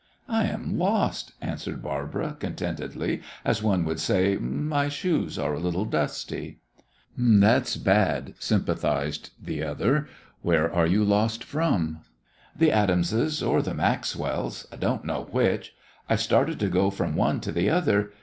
"I am lost," answered Barbara, contentedly, as one would say, "My shoes are a little dusty." "That's bad," sympathised the other. "Where are you lost from?" "The Adamses' or the Maxwells', I don't know which. I started to go from one to the other.